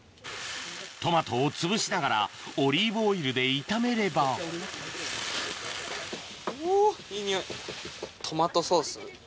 トマトをつぶしながらオリーブオイルで炒めればフゥいい匂い。